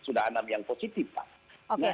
sudah enam yang positif pak